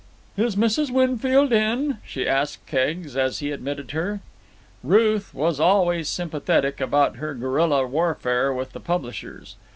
"Is Mrs. Winfield in?" she asked Keggs as he admitted her. Ruth was always sympathetic about her guerrilla warfare with the publishers.